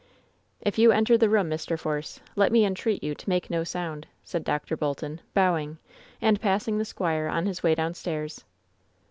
If you enter the room, Mr. Force, let me entreat you to make no sound," said Dr. Bolton, bowing, and passing the squire on his way downstairs.